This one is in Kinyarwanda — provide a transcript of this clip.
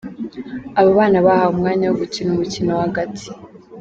Aba bana bahawe umwanya wo gukina umukino w’agati.